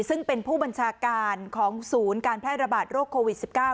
ซึ่งเป็นผู้บัญชาการของศูนย์การแพร่ระบาดโรคโควิด๑๙